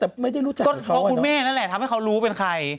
แต่ไม่ได้รู้จักก็เพราะคุณแม่นั่นแหละทำให้เขารู้เป็นใคร